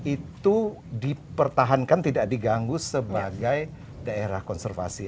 itu dipertahankan tidak diganggu sebagai daerah konservasi